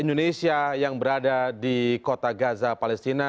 indonesia yang berada di kota gaza palestina